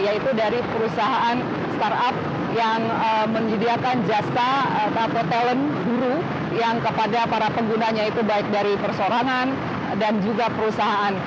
yaitu dari perusahaan startup yang menyediakan jasa atau talent guru yang kepada para penggunanya itu baik dari persorangan dan juga perusahaan